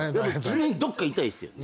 常にどっか痛いですよね。